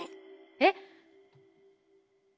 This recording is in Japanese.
えっ。